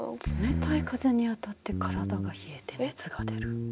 冷たい風に当たって体が冷えて熱が出る。